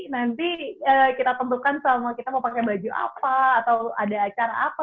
nanti kita tentukan selama kita mau pakai baju apa atau ada acara apa